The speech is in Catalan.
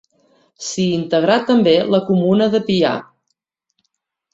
S'hi integrà també la comuna de Pià.